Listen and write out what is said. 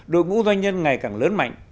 đội ngũ doanh nhân ngày càng lớn mạnh